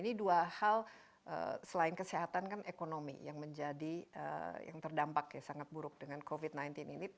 ini dua hal selain kesehatan kan ekonomi yang menjadi yang terdampak ya sangat buruk dengan covid sembilan belas ini